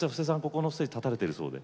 ここのステージ立たれてるそうで。